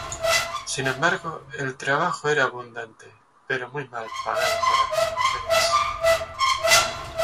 Sin embargo, el trabajo era abundante pero muy mal pagado para mujeres.